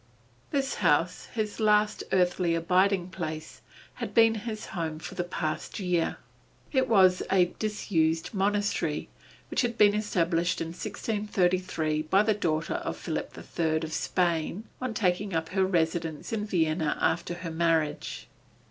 This house, his last earthly abiding place, had been his home for the past year. It was a disused monastery, which had been established in 1633 by the daughter of Philip III of Spain on taking up her residence in Vienna after her marriage.